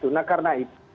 nah karena itu